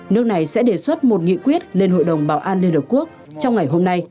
nước này sẽ đề xuất một nghị quyết lên hội đồng bảo an liên hợp quốc trong ngày hôm nay